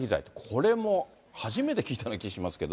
これも初めて聞いたような気がしますけど。